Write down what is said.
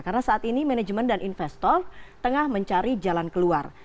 karena saat ini manajemen dan investor tengah mencari jalan keluar